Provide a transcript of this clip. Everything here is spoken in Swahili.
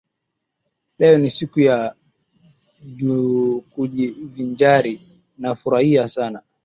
Leo ni siku ya kujivinjari na kufurahia sana.